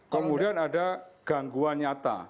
kemudian ada gangguan nyata